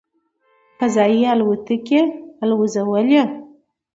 "فضايي الوتکې" الوځولې.